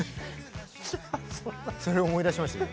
それを思い出しました今。